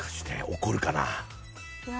怒るかな。